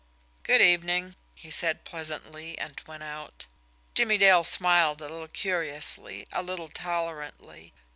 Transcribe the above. "Good evening," he said pleasantly and went out. Jimmie Dale smiled a little curiously, a little tolerantly.